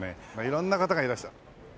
色んな方がいらっしゃる。